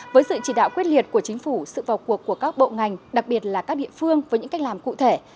với sự chỉ đạo quyết liệt của chính phủ sự vào cuộc của các bộ ngành đặc biệt là các địa phương với những cách làm cụ thể